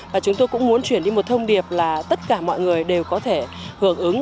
và chúng tôi cũng muốn chuyển đi một thông điệp là tất cả mọi người đều có thể hưởng ứng